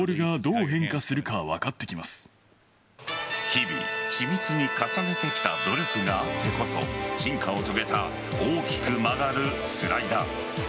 日々、緻密に重ねてきた努力があってこそ進化を遂げた大きく曲がるスライダー。